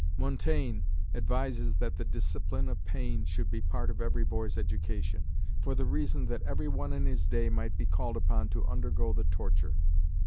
Montaigne advises that the discipline of pain should be part of every boy's education, for the reason that every one in his day might be called upon to undergo the torture.